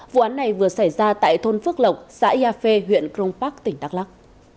vụ án này vừa xảy ra tại thôn phước lộc xã yà phê huyện cron park tỉnh đắk lắc